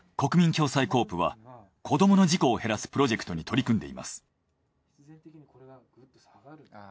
共済ｃｏｏｐは子供の事故を減らすプロジェクトに取り組んでいます。